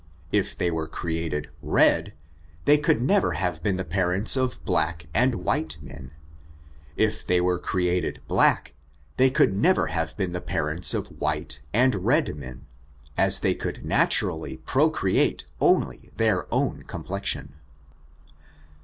If they were created red, they could nev er have been the parents of black and white men. If they were created blacky they could never have been the parents of white and red men, as they could not" urcdly procreate only their own complexion.